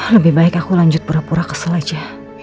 lebih baik aku lanjut pura pura kesel aja